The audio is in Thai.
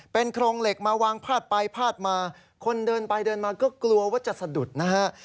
เป็นโครงเหล็กมาวางพาดไปพาดมาคนเดินไปเดินมาก็กลัวว่าจะสะดุดนะฮะ